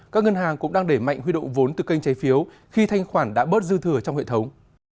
các ngân hàng cũng đang để mạnh huy động vốn từ kênh trái phiếu khi thanh khoản đã bớt dư thừa trong hệ thống